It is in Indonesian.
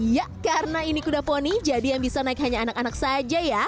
ya karena ini kuda poni jadi yang bisa naik hanya anak anak saja ya